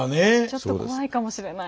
ちょっと怖いかもしれない。